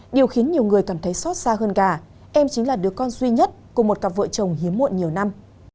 điều khiến nhiều người cảm thấy xót xa hơn cả em chính là đứa con duy nhất của một cặp vợ chồng hiếm muộn nhiều năm